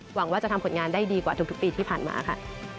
หวังว่าจะทำผลงานได้ดีกว่าทุกปีที่ผ่านมาค่ะ